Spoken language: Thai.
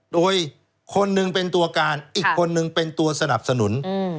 โดยคนหนึ่งเป็นตัวการอีกคนนึงเป็นตัวสนับสนุน